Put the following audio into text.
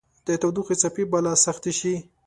د تودوخې څپې به لا سختې شي